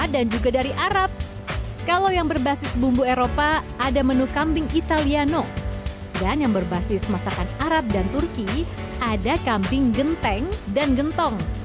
dan yang berbasis masakan arab dan turki ada kambing genteng dan gentong